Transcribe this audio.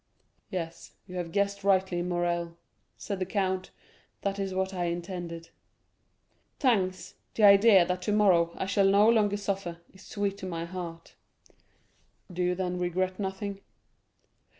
"Yes, you have guessed rightly, Morrel," said the count, "that is what I intended." "Thanks; the idea that tomorrow I shall no longer suffer, is sweet to my heart." "Do you then regret nothing?"